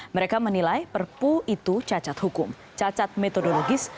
mereka menilai perpu itu cacat hukum cacat metodologis